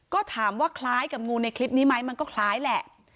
ก็ถามว่าคล้ายกับงูในคลิปนี้ไหมมันก็คล้ายแหละ